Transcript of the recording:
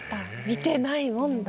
見てないもんだ